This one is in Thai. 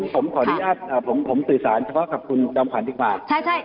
ผมขออนุญาตผมสื่อสารเฉพาะกับคุณดำขวานจิกบาท